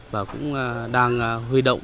và cũng đang huy động